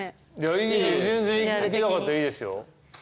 いや全然いきたかったらいいですよ。